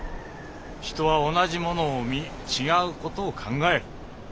人は同じものを見違う事を考える。